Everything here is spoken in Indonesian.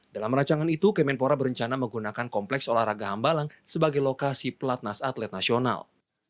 dalam rancangan itu kemenpora berencana menggunakan kompleks olahraga hambalang sebagai lokasi pelatnas atlet nasional